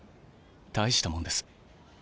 大したもんです。